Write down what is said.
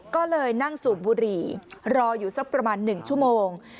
ก็เลยนั่งสูบบุหรี่รออยู่สักประมาณ๑ชั่วโมง